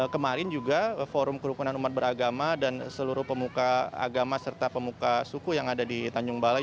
kemarin juga forum kerukunan umat beragama dan seluruh pemuka agama serta pemuka suku yang ada di tanjung balai